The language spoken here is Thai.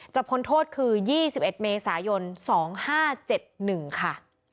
พ้นโทษคือ๒๑เมษายน๒๕๗๑ค่ะ